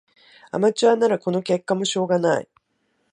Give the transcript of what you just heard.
アマチュアならこの結果もしょうがない